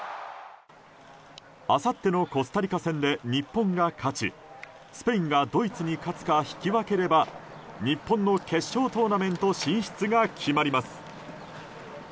あさってのコスタリカ戦で日本が勝ちスペインがドイツに勝つか引き分ければ日本の決勝トーナメント進出が決まります。